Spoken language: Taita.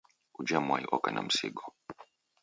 Ujha mwai oka na msigo